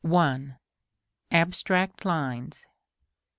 1. Abstract lines.